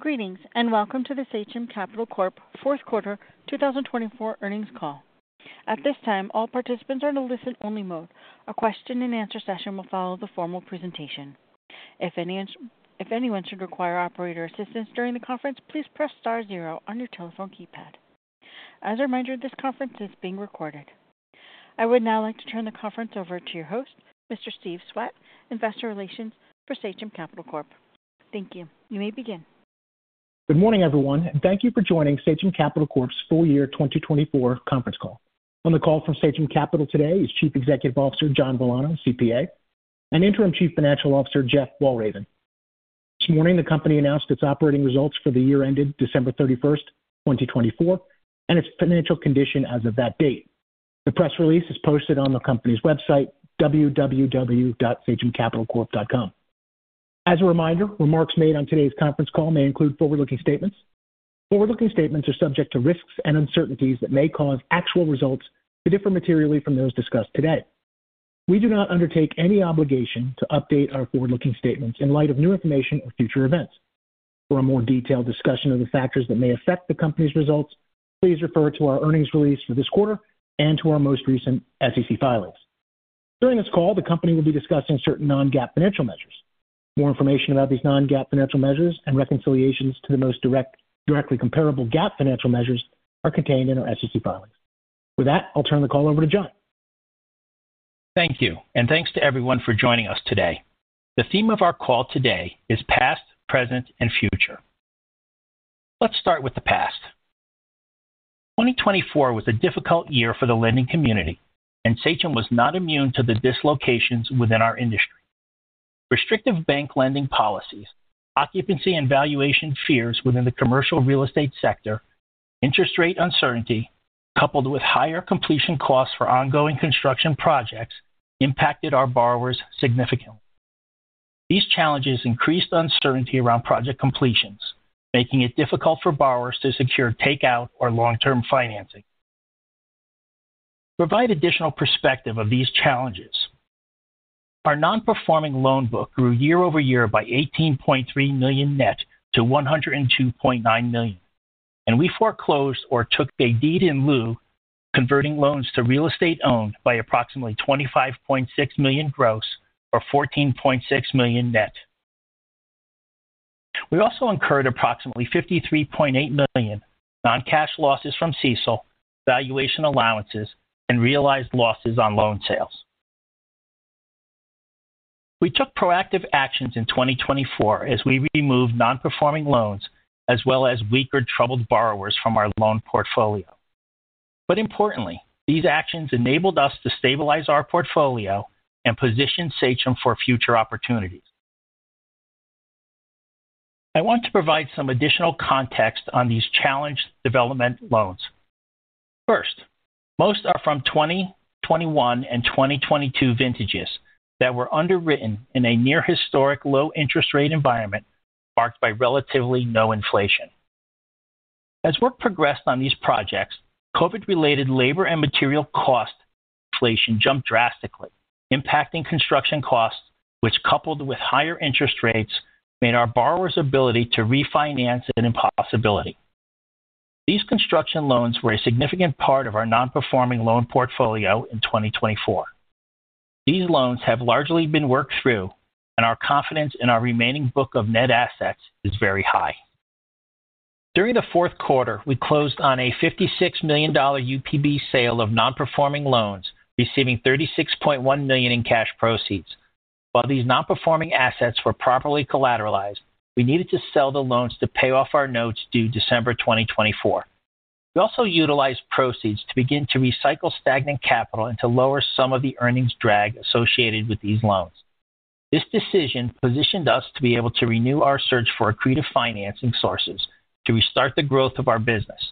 Greetings and welcome to the Sachem Capital Corp, Fourth Quarter, 2024 earnings call. At this time, all participants are in a listen-only mode. A question-and-answer session will follow the formal presentation. If anyone should require operator assistance during the conference, please press star zero on your telephone keypad. As a reminder, this conference is being recorded. I would now like to turn the conference over to your host, Mr. Steve Swett, Investor Relations for Sachem Capital Corp. Thank you. You may begin. Good morning, everyone, and thank you for joining Sachem Capital Corp's full year 2024 conference call. On the call from Sachem Capital today is Chief Executive Officer John Villano, CPA, and Interim Chief Financial Officer Jeff Walraven. This morning, the company announced its operating results for the year ended December 31, 2024, and its financial condition as of that date. The press release is posted on the company's website, www.sachemcapitalcorp.com. As a reminder, remarks made on today's conference call may include forward-looking statements. Forward-looking statements are subject to risks and uncertainties that may cause actual results to differ materially from those discussed today. We do not undertake any obligation to update our forward-looking statements in light of new information or future events. For a more detailed discussion of the factors that may affect the company's results, please refer to our earnings release for this quarter and to our most recent SEC filings. During this call, the company will be discussing certain non-GAAP financial measures. More information about these non-GAAP financial measures and reconciliations to the most directly comparable GAAP financial measures are contained in our SEC filings. With that, I'll turn the call over to John. Thank you, and thanks to everyone for joining us today. The theme of our call today is Past, Present, and Future. Let's start with the past. 2024 was a difficult year for the lending community, and Sachem was not immune to the dislocations within our industry. Restrictive bank lending policies, occupancy and valuation fears within the commercial real estate sector, interest rate uncertainty, coupled with higher completion costs for ongoing construction projects, impacted our borrowers significantly. These challenges increased uncertainty around project completions, making it difficult for borrowers to secure takeout or long-term financing. To provide additional perspective of these challenges, our non-performing loan book grew year over year by $18.3 million net to $102.9 million, and we foreclosed or took a deed in lieu of converting loans to real estate owned by approximately $25.6 million gross or $14.6 million net. We also incurred approximately $53.8 million non-cash losses from CECL, valuation allowances, and realized losses on loan sales. We took proactive actions in 2024 as we removed non-performing loans as well as weaker troubled borrowers from our loan portfolio. Importantly, these actions enabled us to stabilize our portfolio and position Sachem for future opportunities. I want to provide some additional context on these challenged development loans. First, most are from 2021 and 2022 vintages that were underwritten in a near-historic low interest rate environment marked by relatively no inflation. As work progressed on these projects, COVID-related labor and material cost inflation jumped drastically, impacting construction costs, which, coupled with higher interest rates, made our borrowers' ability to refinance an impossibility. These construction loans were a significant part of our non-performing loan portfolio in 2024. These loans have largely been worked through, and our confidence in our remaining book of net assets is very high. During the fourth quarter, we closed on a $56 million UPB sale of non-performing loans, receiving $36.1 million in cash proceeds. While these non-performing assets were properly collateralized, we needed to sell the loans to pay off our notes due December 2024. We also utilized proceeds to begin to recycle stagnant capital and to lower some of the earnings drag associated with these loans. This decision positioned us to be able to renew our search for accretive financing sources to restart the growth of our business.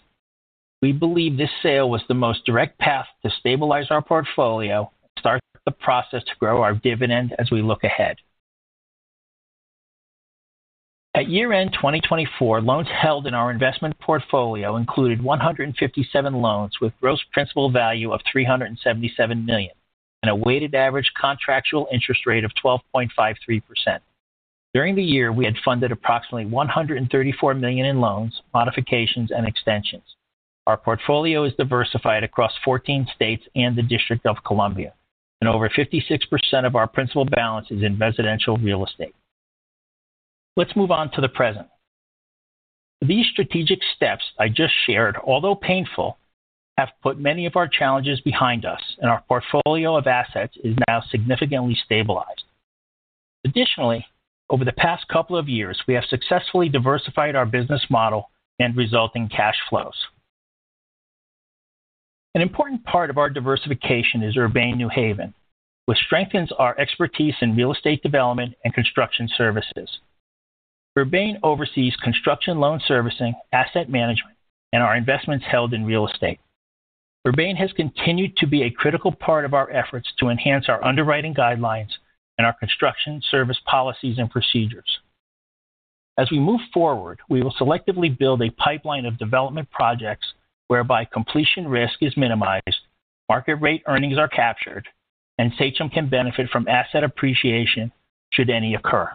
We believe this sale was the most direct path to stabilize our portfolio and start the process to grow our dividend as we look ahead. At year-end 2024, loans held in our investment portfolio included 157 loans with gross principal value of $377 million and a weighted average contractual interest rate of 12.53%. During the year, we had funded approximately $134 million in loans, modifications, and extensions. Our portfolio is diversified across 14 states and the District of Columbia, and over 56% of our principal balance is in residential real estate. Let's move on to the present. These strategic steps I just shared, although painful, have put many of our challenges behind us, and our portfolio of assets is now significantly stabilized. Additionally, over the past couple of years, we have successfully diversified our business model and resulting cash flows. An important part of our diversification is Urbane New Haven, which strengthens our expertise in real estate development and construction services. Urbane oversees construction loan servicing, asset management, and our investments held in real estate. Urbane has continued to be a critical part of our efforts to enhance our underwriting guidelines and our construction service policies and procedures. As we move forward, we will selectively build a pipeline of development projects whereby completion risk is minimized, market rate earnings are captured, and Sachem can benefit from asset appreciation should any occur.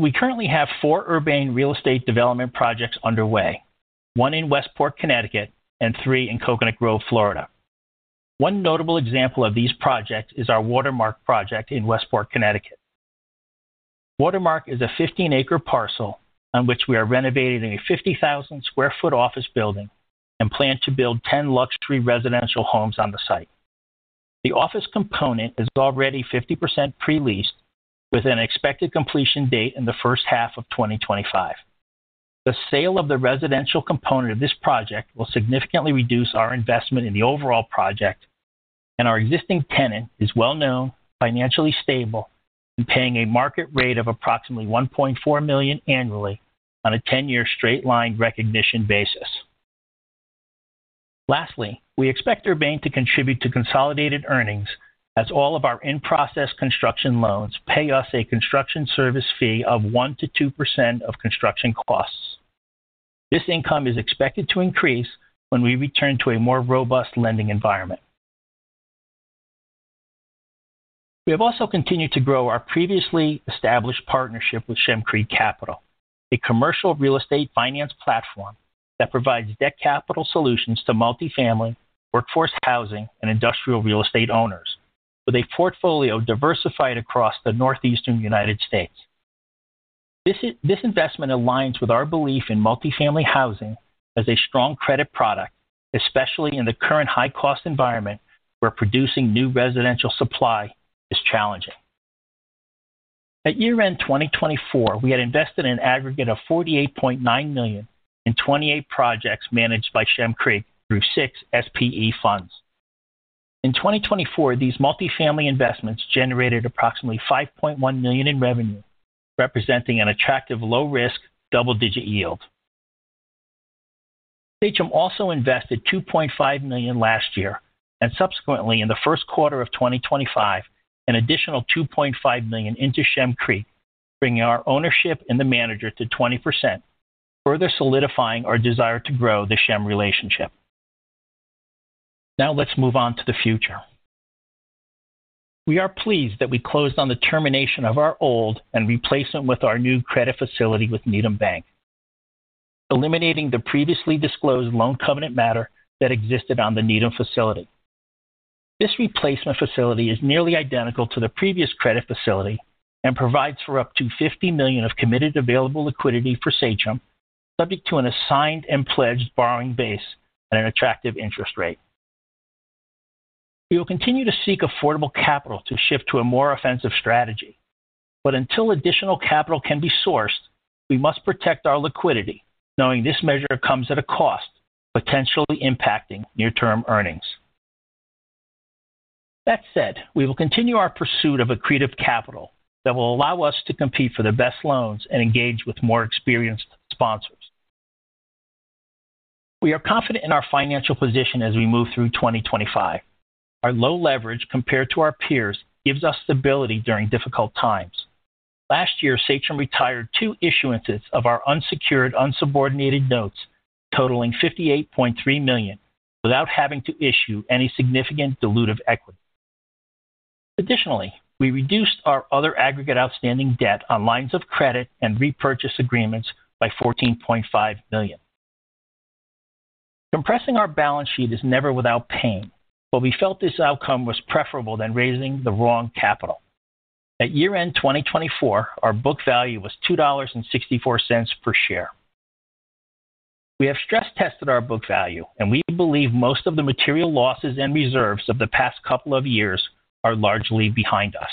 We currently have four Urbane real estate development projects underway, one in Westport, Connecticut, and three in Coconut Grove, Florida. One notable example of these projects is our Watermark project in Westport, Connecticut. Watermark is a 15 acre parcel on which we are renovating a 50,000 sq ft office building and plan to build 10 luxury residential homes on the site. The office component is already 50% pre-leased with an expected completion date in the first half of 2025. The sale of the residential component of this project will significantly reduce our investment in the overall project, and our existing tenant is well-known, financially stable, and paying a market rate of approximately $1.4 million annually on a 10-year straight-line recognition basis. Lastly, we expect Urbane to contribute to consolidated earnings as all of our in-process construction loans pay us a construction service fee of 1%-2% of construction costs. This income is expected to increase when we return to a more robust lending environment. We have also continued to grow our previously established partnership with Shem Creek Capital, a commercial real estate finance platform that provides debt capital solutions to multifamily, workforce housing, and industrial real estate owners, with a portfolio diversified across the Northeastern United States. This investment aligns with our belief in multifamily housing as a strong credit product, especially in the current high-cost environment where producing new residential supply is challenging. At year-end 2024, we had invested an aggregate of $48.9 million in 28 projects managed by Shem Creek through six SPE funds. In 2024, these multifamily investments generated approximately $5.1 million in revenue, representing an attractive low-risk double-digit yield. Sachem also invested $2.5 million last year and subsequently, in the first quarter of 2025, an additional $2.5 million into Shem Creek, bringing our ownership and the manager to 20%, further solidifying our desire to grow the Shem relationship. Now, let's move on to the future. We are pleased that we closed on the termination of our old and replacement with our new credit facility with Needham Bank, eliminating the previously disclosed loan covenant matter that existed on the Needham facility. This replacement facility is nearly identical to the previous credit facility and provides for up to $50 million of committed available liquidity for Sachem, subject to an assigned and pledged borrowing base at an attractive interest rate. We will continue to seek affordable capital to shift to a more offensive strategy, but until additional capital can be sourced, we must protect our liquidity, knowing this measure comes at a cost potentially impacting near-term earnings. That said, we will continue our pursuit of accretive capital that will allow us to compete for the best loans and engage with more experienced sponsors. We are confident in our financial position as we move through 2025. Our low leverage compared to our peers gives us stability during difficult times. Last year, Sachem retired two issuances of our unsecured unsubordinated notes, totaling $58.3 million, without having to issue any significant dilutive equity. Additionally, we reduced our other aggregate outstanding debt on lines of credit and repurchase agreements by $14.5 million. Compressing our balance sheet is never without pain, but we felt this outcome was preferable than raising the wrong capital. At year-end 2024, our book value was $2.64 per share. We have stress-tested our book value, and we believe most of the material losses and reserves of the past couple of years are largely behind us.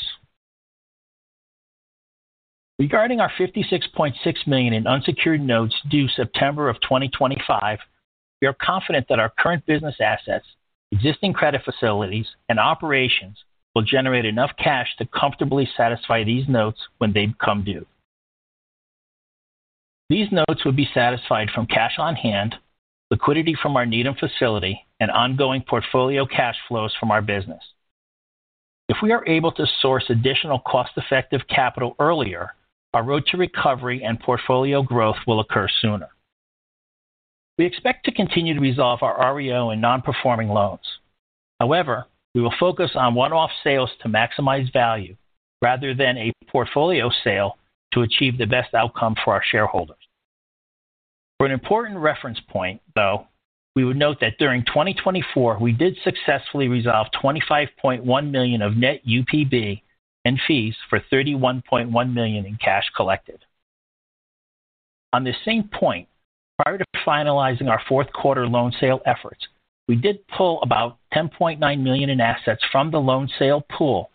Regarding our $56.6 million in unsecured notes due September of 2025, we are confident that our current business assets, existing credit facilities, and operations will generate enough cash to comfortably satisfy these notes when they become due. These notes would be satisfied from cash on hand, liquidity from our Needham facility, and ongoing portfolio cash flows from our business. If we are able to source additional cost-effective capital earlier, our road to recovery and portfolio growth will occur sooner. We expect to continue to resolve our REO and non-performing loans. However, we will focus on one-off sales to maximize value rather than a portfolio sale to achieve the best outcome for our shareholders. For an important reference point, though, we would note that during 2024, we did successfully resolve $25.1 million of net UPB and fees for $31.1 million in cash collected. On this same point, prior to finalizing our fourth quarter loan sale efforts, we did pull about $10.9 million in assets from the loan sale pool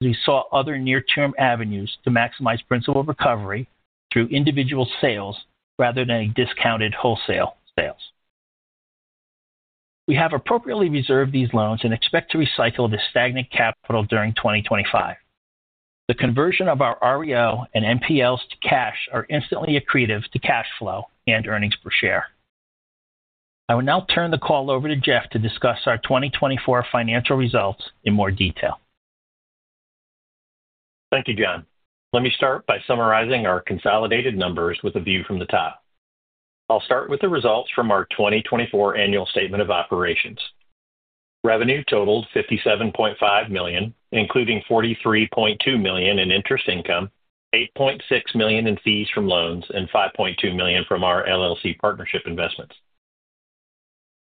as we saw other near-term avenues to maximize principal recovery through individual sales rather than discounted wholesale sales. We have appropriately reserved these loans and expect to recycle the stagnant capital during 2025. The conversion of our REO and NPLs to cash are instantly accretive to cash flow and earnings per share. I will now turn the call over to Jeff to discuss our 2024 financial results in more detail. Thank you, John. Let me start by summarizing our consolidated numbers with a view from the top. I'll start with the results from our 2024 annual statement of operations. Revenue totaled $57.5 million, including $43.2 million in interest income, $8.6 million in fees from loans, and $5.2 million from our LLC partnership investments.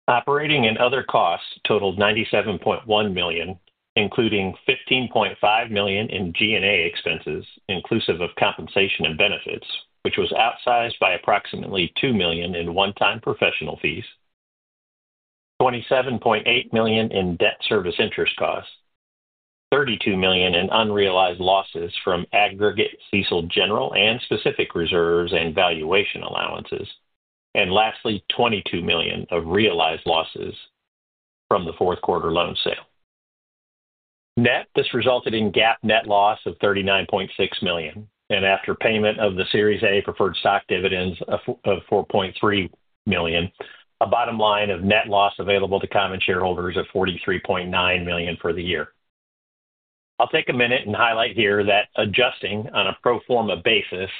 Operating and other costs totaled $97.1 million, including $15.5 million in G&A expenses, inclusive of compensation and benefits, which was outsized by approximately $2 million in one-time professional fees, $27.8 million in debt service interest costs, $32 million in unrealized losses from aggregate CECL general and specific reserves and valuation allowances, and lastly, $22 million of realized losses from the fourth quarter loan sale. Net, this resulted in GAAP net loss of $39.6 million, and after payment of the Series A preferred stock dividends of $4.3 million, a bottom line of net loss available to common shareholders of $43.9 million for the year. I'll take a minute and highlight here that adjusting on a pro forma basis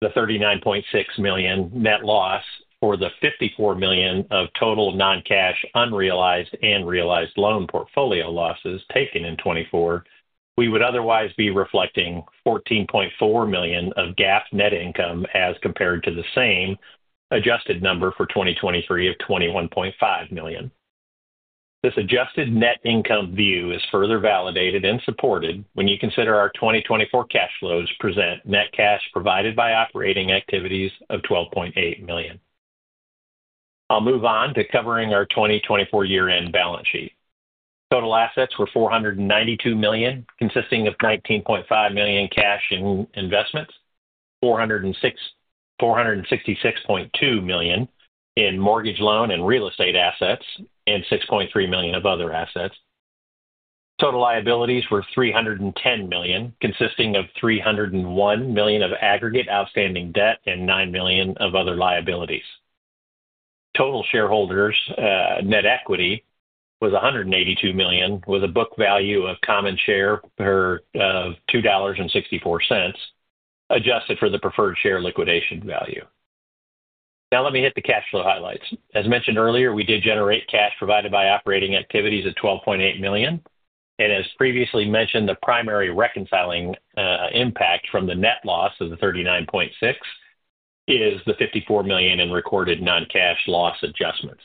the $39.6 million net loss for the $54 million of total non-cash unrealized and realized loan portfolio losses taken in 2024, we would otherwise be reflecting $14.4 million of GAAP net income as compared to the same adjusted number for 2023 of $21.5 million. This adjusted net income view is further validated and supported when you consider our 2024 cash flows present net cash provided by operating activities of $12.8 million. I'll move on to covering our 2024 year-end balance sheet. Total assets were $492 million, consisting of $19.5 million cash in investments, $466.2 million in mortgage loan and real estate assets, and $6.3 million of other assets. Total liabilities were $310 million, consisting of $301 million of aggregate outstanding debt and $9 million of other liabilities. Total shareholders' net equity was $182 million, with a book value of common share per of $2.64, adjusted for the preferred share liquidation value. Now, let me hit the cash flow highlights. As mentioned earlier, we did generate cash provided by operating activities of $12.8 million, and as previously mentioned, the primary reconciling impact from the net loss of the $39.6 million is the $54 million in recorded non-cash loss adjustments.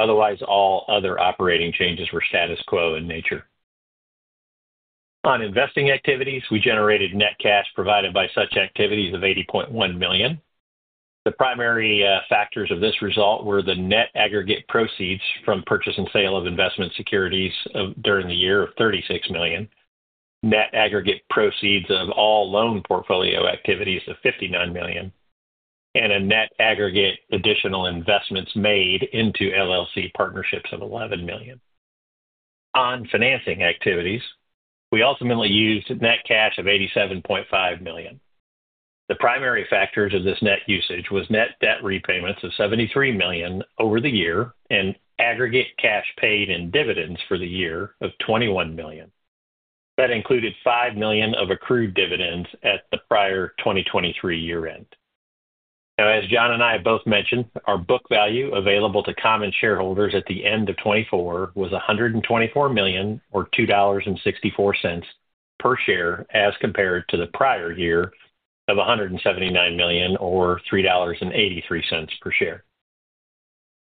Otherwise, all other operating changes were status quo in nature. On investing activities, we generated net cash provided by such activities of $80.1 million. The primary factors of this result were the net aggregate proceeds from purchase and sale of investment securities during the year of $36 million, net aggregate proceeds of all loan portfolio activities of $59 million, and a net aggregate additional investments made into LLC partnerships of $11 million. On financing activities, we ultimately used net cash of $87.5 million. The primary factors of this net usage were net debt repayments of $73 million over the year and aggregate cash paid in dividends for the year of $21 million. That included $5 million of accrued dividends at the prior 2023 year-end. Now, as John and I have both mentioned, our book value available to common shareholders at the end of 2024 was $124 million, or $2.64 per share, as compared to the prior year of $179 million, or $3.83 per share.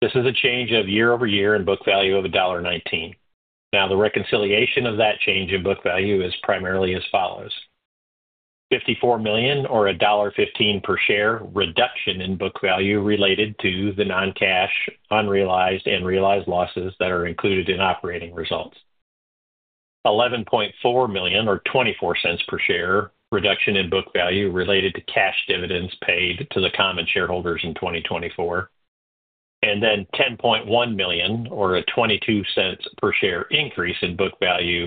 This is a change of year-over-year in book value of $1.19. Now, the reconciliation of that change in book value is primarily as follows: $54 million, or $1.15 per share, reduction in book value related to the non-cash, unrealized, and realized losses that are included in operating results. $11.4 million, or $0.24 per share, reduction in book value related to cash dividends paid to the common shareholders in 2024. Then $10.1 million, or a $0.22 per share increase in book value,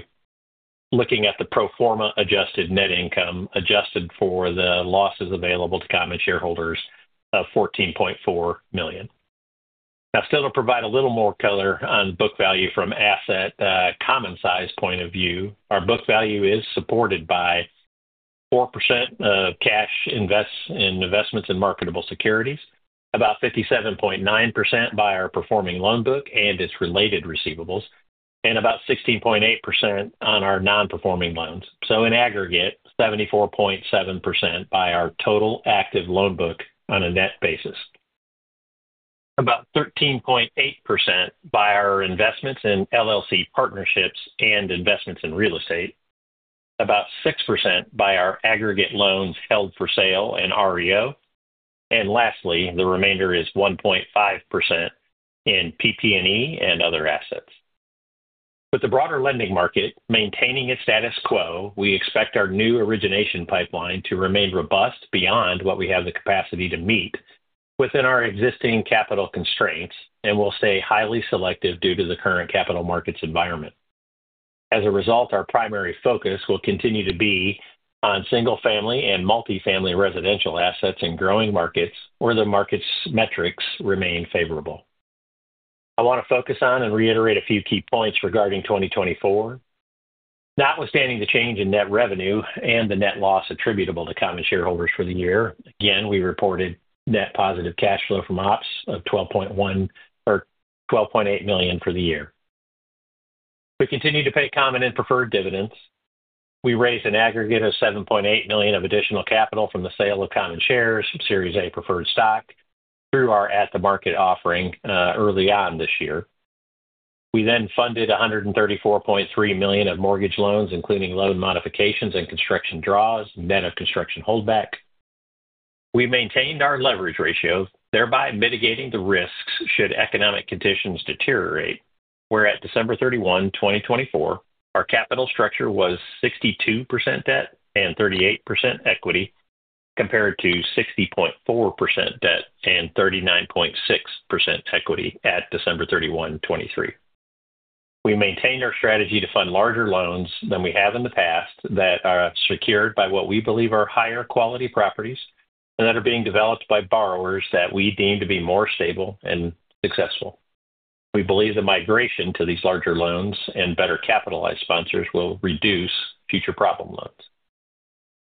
looking at the pro forma adjusted net income adjusted for the losses available to common shareholders of $14.4 million. Now, still to provide a little more color on book value from an asset common-size point of view, our book value is supported by 4% of cash investments in marketable securities, about 57.9% by our performing loan book and its related receivables, and about 16.8% on our non-performing loans. In aggregate, 74.7% by our total active loan book on a net basis, about 13.8% by our investments in LLC partnerships and investments in real estate, about 6% by our aggregate loans held for sale and REO, and lastly, the remainder is 1.5% in PP&E and other assets. With the broader lending market maintaining its status quo, we expect our new origination pipeline to remain robust beyond what we have the capacity to meet within our existing capital constraints and will stay highly selective due to the current capital markets environment. As a result, our primary focus will continue to be on single-family and multifamily residential assets in growing markets where the market's metrics remain favorable. I want to focus on and reiterate a few key points regarding 2024. Notwithstanding the change in net revenue and the net loss attributable to common shareholders for the year, again, we reported net positive cash flow from ops of $12.8 million for the year. We continue to pay common and preferred dividends. We raised an aggregate of $7.8 million of additional capital from the sale of common shares of Series A preferred stock through our at-the-market offering early on this year. We then funded $134.3 million of mortgage loans, including loan modifications and construction draws, net of construction holdback. We maintained our leverage ratio, thereby mitigating the risks should economic conditions deteriorate, where at December 31, 2024, our capital structure was 62% debt and 38% equity compared to 60.4% debt and 39.6% equity at December 31, 2023. We maintain our strategy to fund larger loans than we have in the past that are secured by what we believe are higher quality properties and that are being developed by borrowers that we deem to be more stable and successful. We believe the migration to these larger loans and better capitalized sponsors will reduce future problem loans.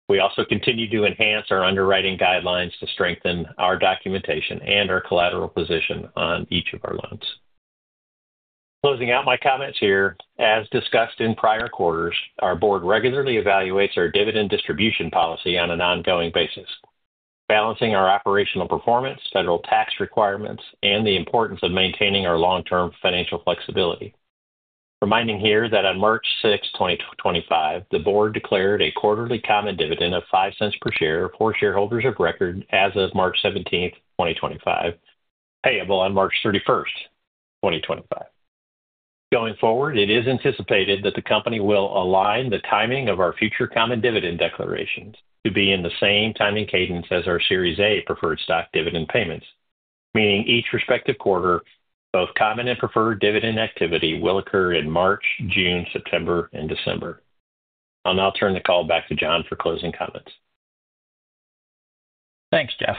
We also continue to enhance our underwriting guidelines to strengthen our documentation and our collateral position on each of our loans. Closing out my comments here, as discussed in prior quarters, our board regularly evaluates our dividend distribution policy on an ongoing basis, balancing our operational performance, federal tax requirements, and the importance of maintaining our long-term financial flexibility. Reminding here that on March 6, 2025, the board declared a quarterly common dividend of $0.05 per share for shareholders of record as of March 17, 2025, payable on March 31, 2025. Going forward, it is anticipated that the company will align the timing of our future common dividend declarations to be in the same timing cadence as our Series A preferred stock dividend payments, meaning each respective quarter, both common and preferred dividend activity will occur in March, June, September, and December. I'll now turn the call back to John for closing comments. Thanks, Jeff.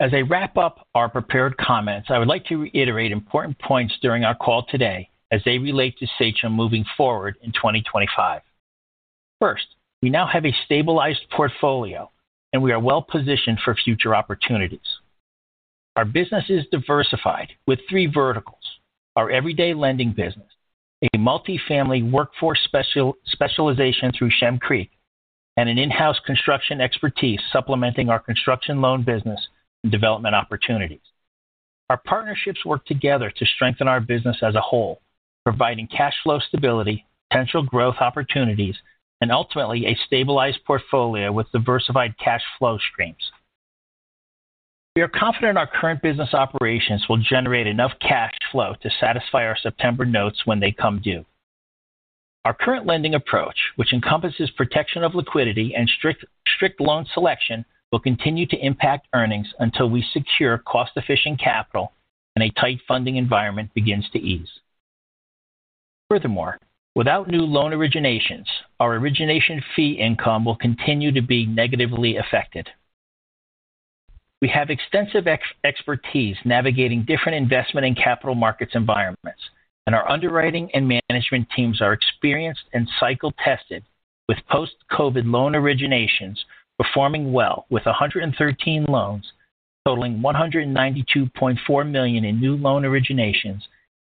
As I wrap up our prepared comments, I would like to reiterate important points during our call today as they relate to Sachem moving forward in 2025. First, we now have a stabilized portfolio, and we are well-positioned for future opportunities. Our business is diversified with three verticals: our everyday lending business, a multifamily workforce special specialization through Shem Creek, and an in-house construction expertise supplementing our construction loan business and development opportunities. Our partnerships work together to strengthen our business as a whole, providing cash flow stability, potential growth opportunities, and ultimately a stabilized portfolio with diversified cash flow streams. We are confident our current business operations will generate enough cash flow to satisfy our September notes when they come due. Our current lending approach, which encompasses protection of liquidity and strict loan selection, will continue to impact earnings until we secure cost-efficient capital and a tight funding environment begins to ease. Furthermore, without new loan originations, our origination fee income will continue to be negatively affected. We have extensive expertise navigating different investment and capital markets environments, and our underwriting and management teams are experienced and cycle-tested, with post-COVID loan originations performing well with 113 loans totaling $192.4 million in new loan originations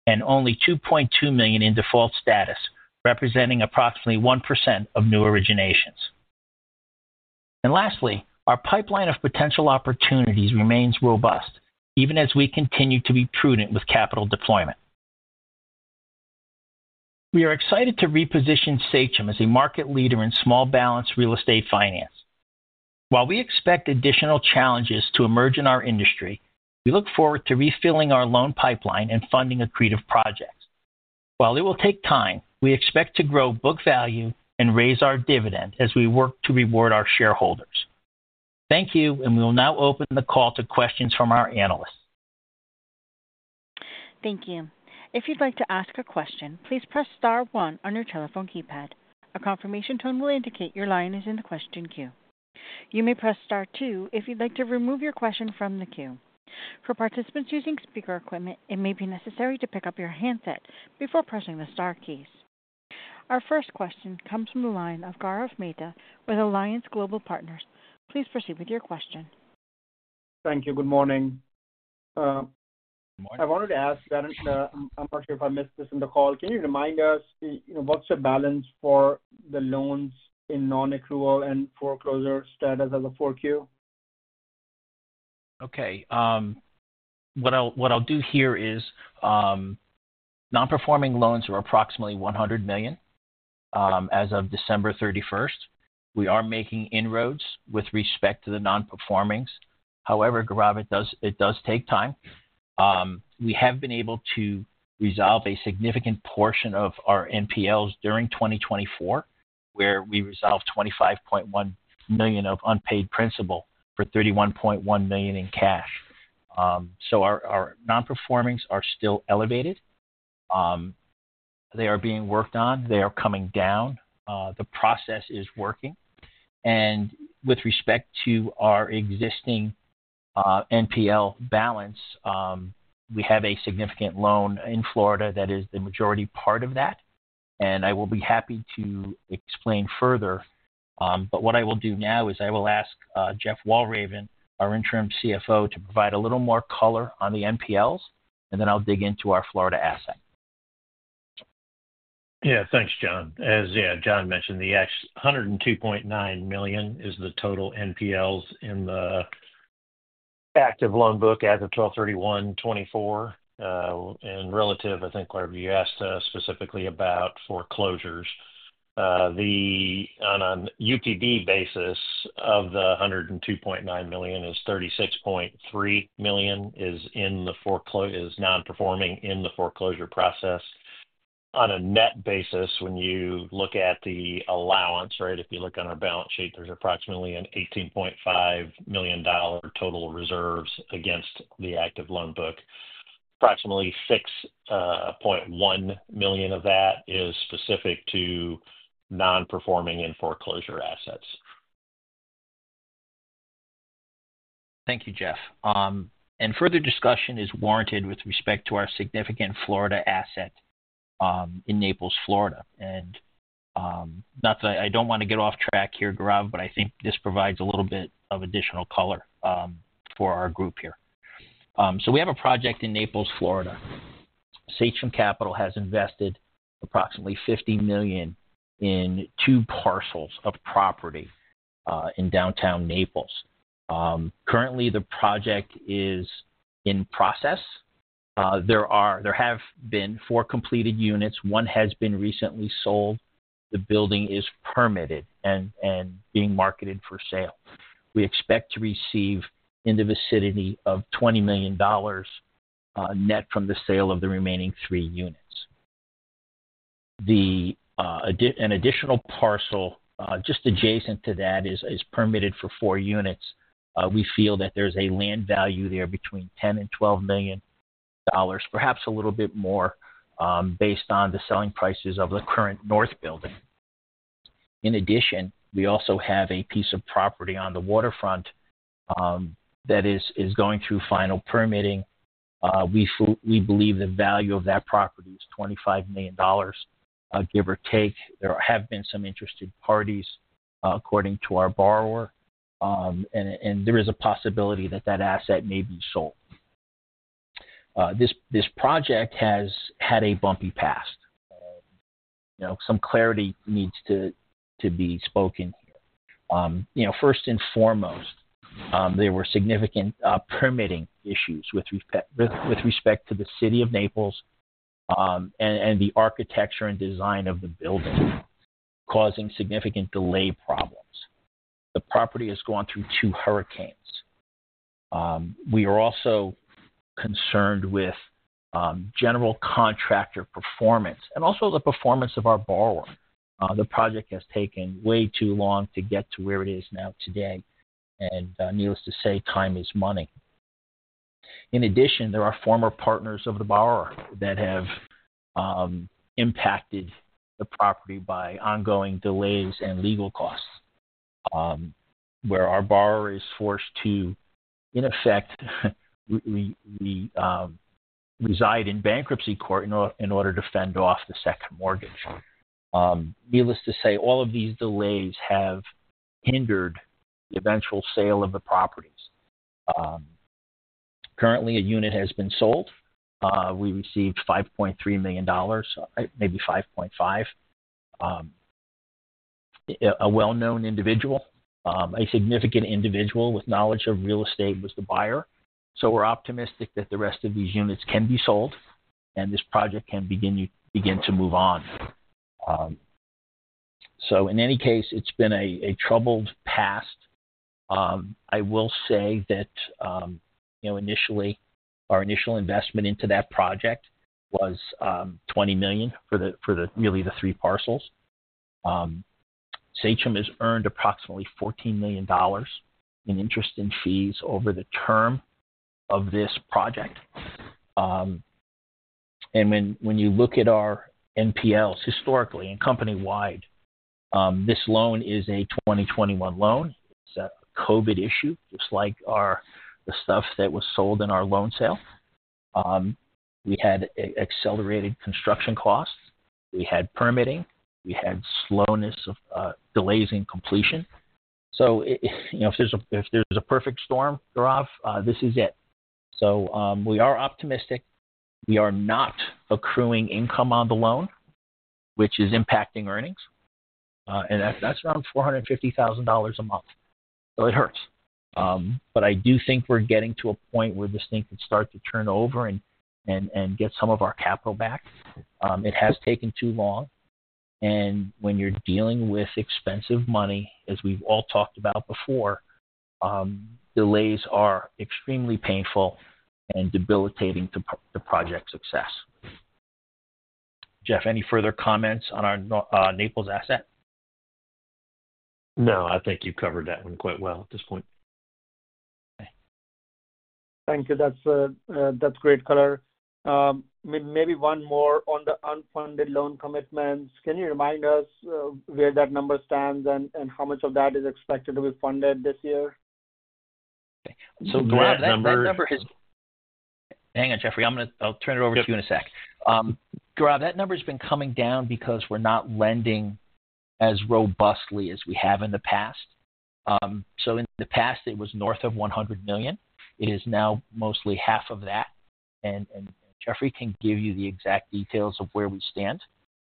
and only $2.2 million in default status, representing approximately 1% of new originations. Lastly, our pipeline of potential opportunities remains robust, even as we continue to be prudent with capital deployment. We are excited to reposition Sachem as a market leader in small balance real estate finance. While we expect additional challenges to emerge in our industry, we look forward to refilling our loan pipeline and funding accretive projects. While it will take time, we expect to grow book value and raise our dividend as we work to reward our shareholders. Thank you, and we will now open the call to questions from our analysts. Thank you. If you'd like to ask a question, please press star one on your telephone keypad. A confirmation tone will indicate your line is in the question queue. You may press star two if you'd like to remove your question from the queue. For participants using speaker equipment, it may be necessary to pick up your handset before pressing the star keys. Our first question comes from the line of Gaurav Mehta with Alliance Global Partners. Please proceed with your question. Thank you. Good morning. I wanted to ask that I'm not sure if I missed this in the call. Can you remind us what's the balance for the loans in non-accrual and foreclosure status as of 2024? Okay. What I'll do here is non-performing loans are approximately $100 million as of December 31. We are making inroads with respect to the non-performings. However, it does take time. We have been able to resolve a significant portion of our NPLs during 2024, where we resolved $25.1 million of unpaid principal for $31.1 million in cash. Our non-performings are still elevated. They are being worked on. They are coming down. The process is working. With respect to our existing NPL balance, we have a significant loan in Florida that is the majority part of that. I will be happy to explain further. What I will do now is I will ask Jeff Walraven, our interim CFO, to provide a little more color on the NPLs, and then I'll dig into our Florida asset. Yeah. Thanks, John. As John mentioned, the $102.9 million is the total NPLs in the active loan book as of 12/31/2024, and relative, I think, whatever you asked specifically about foreclosures. On a UPB basis of the $102.9 million, $36.3 million is non-performing in the foreclosure process. On a net basis, when you look at the allowance, right, if you look on our balance sheet, there's approximately an $18.5 million total reserves against the active loan book. Approximately $6.1 million of that is specific to non-performing and foreclosure assets. Thank you, Jeff. Further discussion is warranted with respect to our significant Florida asset in Naples, Florida. I do not want to get off track here, Gaurav, but I think this provides a little bit of additional color for our group here. We have a project in Naples, Florida. Sachem Capital has invested approximately $50 million in two parcels of property in downtown Naples. Currently, the project is in process. There have been four completed units. One has been recently sold. The building is permitted and being marketed for sale. We expect to receive in the vicinity of $20 million net from the sale of the remaining three units. An additional parcel just adjacent to that is permitted for four units. We feel that there's a land value there between $10 million and $12 million, perhaps a little bit more based on the selling prices of the current north building. In addition, we also have a piece of property on the waterfront that is going through final permitting. We believe the value of that property is $25 million, give or take. There have been some interested parties, according to our borrower, and there is a possibility that that asset may be sold. This project has had a bumpy past. Some clarity needs to be spoken here. First and foremost, there were significant permitting issues with respect to the city of Naples and the architecture and design of the building, causing significant delay problems. The property has gone through two hurricanes. We are also concerned with general contractor performance and also the performance of our borrower. The project has taken way too long to get to where it is now today. Needless to say, time is money. In addition, there are former partners of the borrower that have impacted the property by ongoing delays and legal costs, where our borrower is forced to, in effect, reside in bankruptcy court in order to fend off the second mortgage. Needless to say, all of these delays have hindered the eventual sale of the properties. Currently, a unit has been sold. We received $5.3 million, maybe $5.5 million. A well-known individual, a significant individual with knowledge of real estate, was the buyer. We are optimistic that the rest of these units can be sold and this project can begin to move on. In any case, it has been a troubled past. I will say that initially, our initial investment into that project was $20 million for really the three parcels. Sachem has earned approximately $14 million in interest and fees over the term of this project. When you look at our NPLs historically and company-wide, this loan is a 2021 loan. It's a COVID issue, just like the stuff that was sold in our loan sale. We had accelerated construction costs. We had permitting. We had slowness of delays in completion. If there's a perfect storm, Gaurav, this is it. We are optimistic. We are not accruing income on the loan, which is impacting earnings. That's around $450,000 a month. It hurts. I do think we're getting to a point where this thing can start to turn over and get some of our capital back. It has taken too long. When you're dealing with expensive money, as we've all talked about before, delays are extremely painful and debilitating to project success. Jeff, any further comments on our Naples asset? No. I think you've covered that one quite well at this point. Thank you. That's great color. Maybe one more on the unfunded loan commitments. Can you remind us where that number stands and how much of that is expected to be funded this year? Gaurav, that number is—hang on, Jeffrey. I'll turn it over to you in a sec. Gaurav, that number has been coming down because we're not lending as robustly as we have in the past. In the past, it was north of $100 million. It is now mostly half of that. Jeffrey can give you the exact details of where we stand.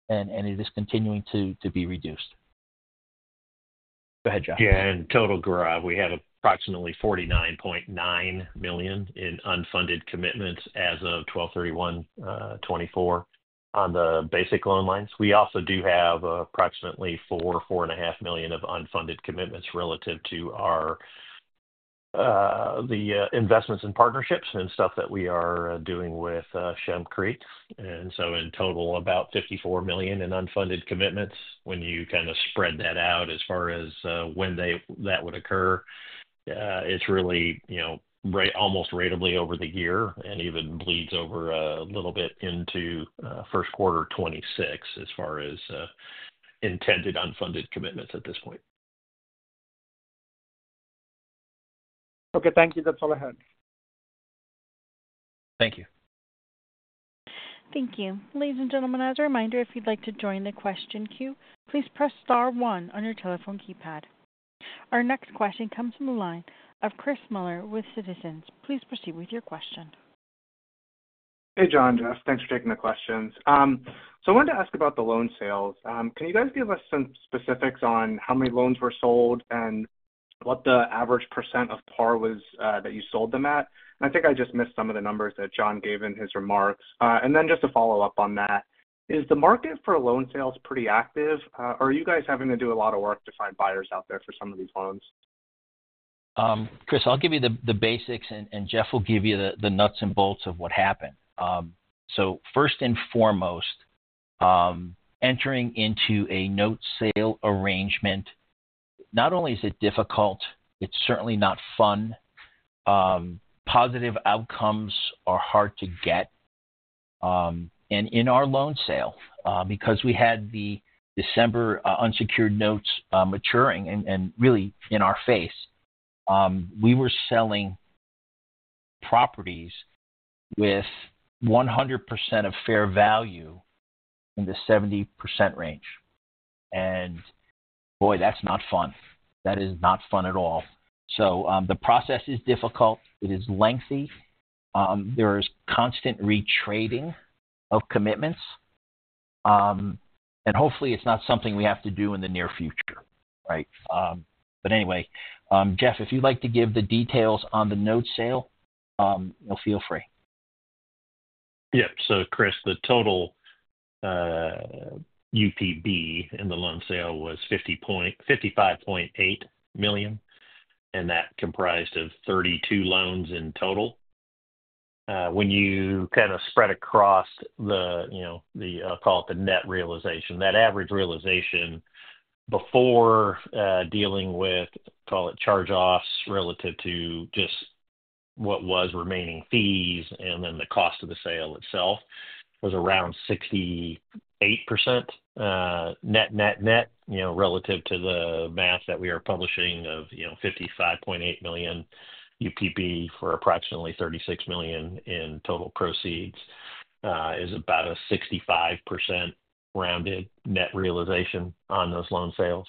It is continuing to be reduced. Go ahead, Jeff. Yeah. In total, Gaurav, we have approximately $49.9 million in unfunded commitments as of 12/31/2024 on the basic loan lines. We also do have approximately $4 million, $4.5 million of unfunded commitments relative to the investments and partnerships and stuff that we are doing with Shem Creek. In total, about $54 million in unfunded commitments. When you kind of spread that out as far as when that would occur, it's really almost ratably over the year and even bleeds over a little bit into first quarter 2026 as far as intended unfunded commitments at this point. Okay. Thank you. That's all I had. Thank you. Thank you. Ladies and gentlemen, as a reminder, if you'd like to join the question queue, please press star one on your telephone keypad. Our next question comes from the line of Chris Miller with Citizens. Please proceed with your question. Hey, John, Jeff. Thanks for taking the questions. I wanted to ask about the loan sales. Can you guys give us some specifics on how many loans were sold and what the average percent of par was that you sold them at? I think I just missed some of the numbers that John gave in his remarks. Just to follow up on that, is the market for loan sales pretty active? Are you guys having to do a lot of work to find buyers out there for some of these loans? Chris, I'll give you the basics, and Jeff will give you the nuts and bolts of what happened. First and foremost, entering into a note sale arrangement, not only is it difficult, it's certainly not fun. Positive outcomes are hard to get. In our loan sale, because we had the December unsecured notes maturing and really in our face, we were selling properties with 100% of fair value in the 70% range. Boy, that's not fun. That is not fun at all. The process is difficult. It is lengthy. There is constant retrading of commitments. Hopefully, it's not something we have to do in the near future, right? Anyway, Jeff, if you'd like to give the details on the note sale, feel free. Yep. Chris, the total UPB in the loan sale was $55.8 million, and that comprised of 32 loans in total. When you kind of spread across the, I'll call it the net realization, that average realization before dealing with, call it charge-offs relative to just what was remaining fees and then the cost of the sale itself was around 68% net, net, net. Relative to the math that we are publishing of $55.8 million UPB for approximately $36 million in total proceeds is about a 65% rounded net realization on those loan sales.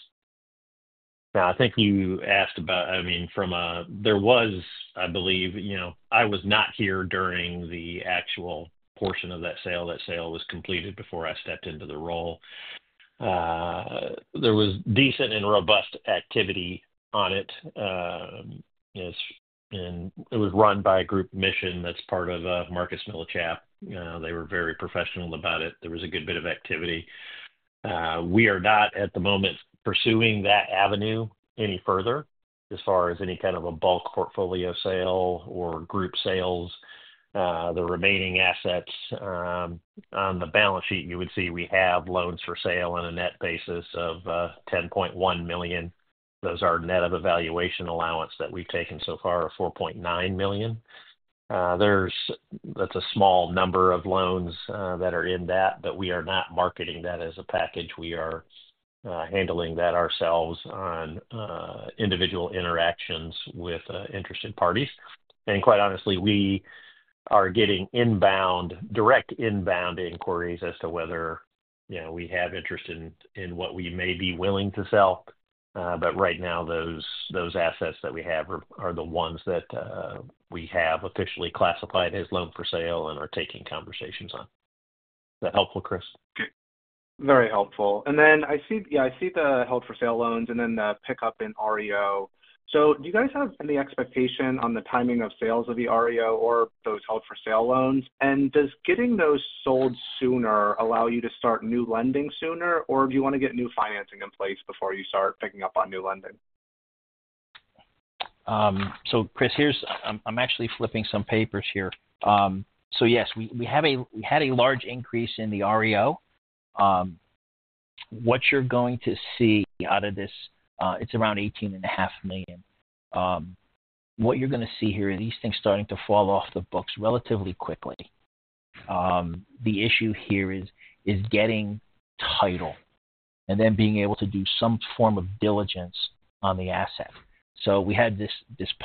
I think you asked about, I mean, from a—there was, I believe I was not here during the actual portion of that sale. That sale was completed before I stepped into the role. There was decent and robust activity on it. It was run by a group Mission that's part of Marcus & Millichap. They were very professional about it. There was a good bit of activity. We are not at the moment pursuing that avenue any further as far as any kind of a bulk portfolio sale or group sales. The remaining assets on the balance sheet, you would see we have loans for sale on a net basis of $10.1 million. Those are net of evaluation allowance that we've taken so far of $4.9 million. That's a small number of loans that are in that, but we are not marketing that as a package. We are handling that ourselves on individual interactions with interested parties. Quite honestly, we are getting direct inbound inquiries as to whether we have interest in what we may be willing to sell. Right now, those assets that we have are the ones that we have officially classified as loan for sale and are taking conversations on. Is that helpful, Chris? Okay. Very helpful. I see the held for sale loans and then the pickup in REO. Do you guys have any expectation on the timing of sales of the REO or those held for sale loans? Does getting those sold sooner allow you to start new lending sooner, or do you want to get new financing in place before you start picking up on new lending? Chris, I'm actually flipping some papers here. Yes, we had a large increase in the REO. What you're going to see out of this, it's around $18.5 million. What you're going to see here are these things starting to fall off the books relatively quickly. The issue here is getting title and then being able to do some form of diligence on the asset. We had this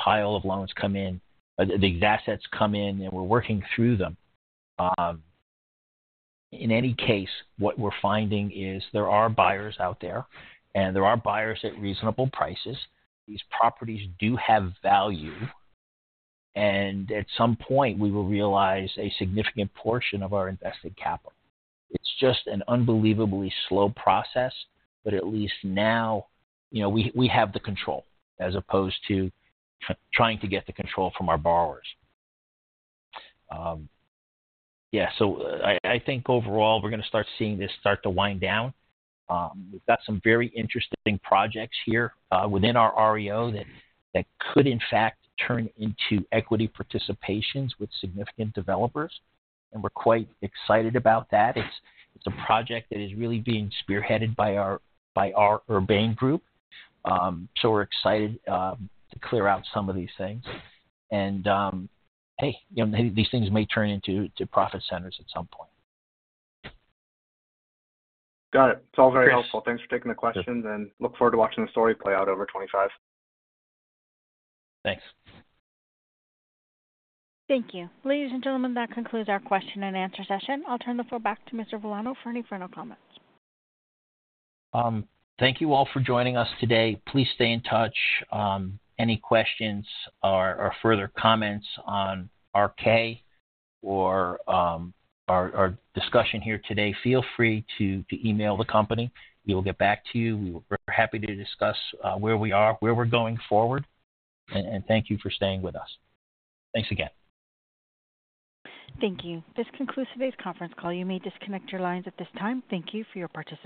pile of loans come in, these assets come in, and we're working through them. In any case, what we're finding is there are buyers out there, and there are buyers at reasonable prices. These properties do have value. At some point, we will realize a significant portion of our invested capital. It's just an unbelievably slow process, but at least now we have the control as opposed to trying to get the control from our borrowers. Yeah. I think overall, we're going to start seeing this start to wind down. We've got some very interesting projects here within our REO that could, in fact, turn into equity participations with significant developers. We're quite excited about that. It's a project that is really being spearheaded by our Urbane Group. We're excited to clear out some of these things. Hey, these things may turn into profit centers at some point. Got it. It's all very helpful. Thanks for taking the questions, and look forward to watching the story play out over 2025. Thanks. Thank you. Ladies and gentlemen, that concludes our question and answer session. I'll turn the floor back to Mr. Villano for any final comments. Thank you all for joining us today. Please stay in touch. Any questions or further comments on our K or our discussion here today, feel free to email the company. We will get back to you. We're happy to discuss where we are, where we're going forward. Thank you for staying with us. Thanks again. Thank you. This concludes today's conference call. You may disconnect your lines at this time. Thank you for your participation.